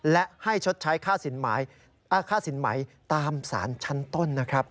และให้ชดใช้ค่าสินใหม่ตามสารชั้นต้นนะครับ